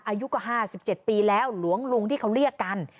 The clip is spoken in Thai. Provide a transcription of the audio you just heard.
อายุก็ห้าสิบเจ็ดปีแล้วหลวงลุงที่เขาเรียกกัน